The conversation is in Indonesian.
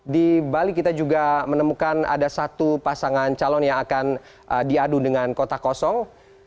di bali kita juga menemukan ada satu pasangan calon yang akan diadu dengan kota kosong